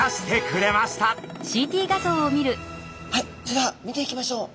はいそれでは見ていきましょう。